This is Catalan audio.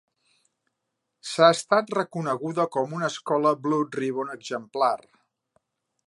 S'ha estat reconeguda com una escola Blue Ribbon exemplar.